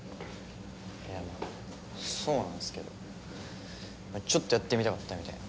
いやまあそうなんすけどちょっとやってみたかったみたいな。